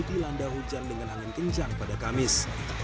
dilanda hujan dengan angin kencang pada kamis